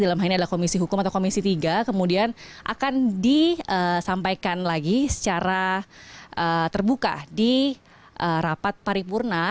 dalam hal ini adalah komisi hukum atau komisi tiga kemudian akan disampaikan lagi secara terbuka di rapat paripurna